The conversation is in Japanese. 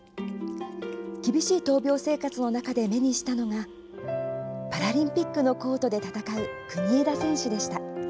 厳しい闘病生活の中で目にしたのがパラリンピックのコートで戦う国枝選手でした。